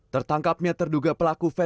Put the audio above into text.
tertangkapnya terduga pelaku fetis kain